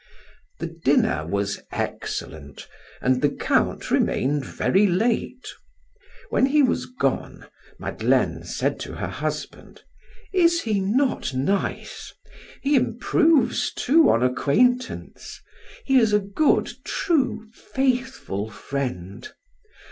The dinner was excellent and the Count remained very late. When he was gone, Madeleine said to her husband: "Is he not nice? He improves, too, on acquaintance. He is a good, true, faithful friend.